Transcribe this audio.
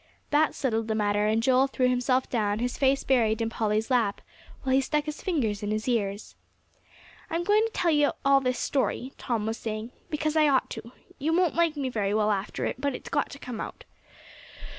That settled the matter; and Joel threw himself down, his face buried in Polly's lap, while he stuck his fingers in his ears. "I'm going to tell you all this story," Tom was saying, "because I ought to. You won't like me very well after it, but it's got to come out.